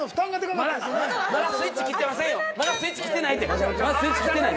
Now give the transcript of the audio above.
まだスイッチ切ってない。